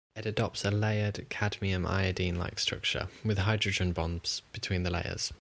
It adopts a layered CdI-like structure with hydrogen-bonds between the layers.